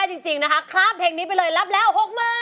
ไม่ได้จริงนะคะครั้งเท่านี้ไปเลยรับแล้ว๖หมื่น